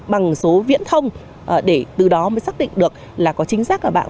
bằng số viễn thông để từ đó mới xác định được là có chính xác là bạn